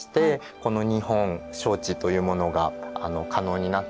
この日本招致というものが可能になったんですね。